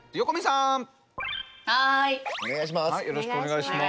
お願いします。